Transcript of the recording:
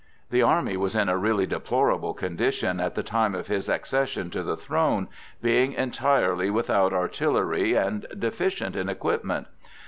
The army was in a really deplorable condition at the time of his accession to the throne, being entirely without artillery and deficient in equipment.